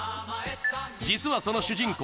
実はその主人公